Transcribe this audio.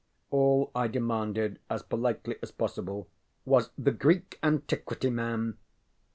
All I demanded, as politely as possible, was ŌĆ£the Greek antiquity man.